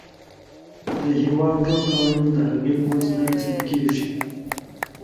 د هیواد ټول قوانین د هغې په وسیله تصویب کیږي.